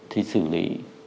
thì xử lý